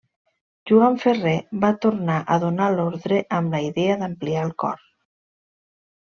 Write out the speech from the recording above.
Joan Ferre va tornar a donar l'ordre amb la idea d'ampliar el cor.